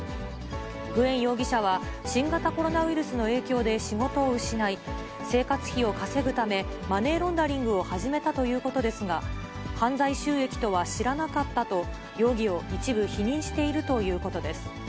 グエン容疑者は、新型コロナウイルスの影響で仕事を失い、生活費を稼ぐため、マネーロンダリングを始めたということですが、犯罪収益とは知らなかったと、容疑を一部否認しているということです。